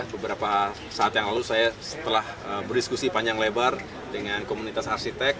beberapa saat yang lalu saya setelah berdiskusi panjang lebar dengan komunitas arsitek